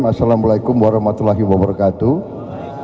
assalamualaikum warahmatullahi wabarakatuh